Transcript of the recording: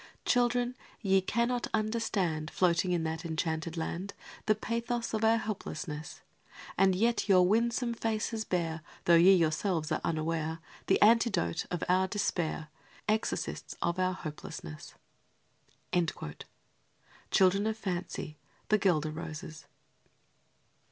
Children, ye cannot understand, Floating in that enchanted land, The pathos of our helplessness; And yet your winsome faces bear, Though ye yourselves are unaware, The antidote of our despair, Exorcists of our hopelessness. _Children of Fancy: The Guelder Roses.